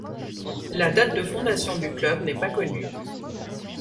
La date de fondation du club n'est pas connue.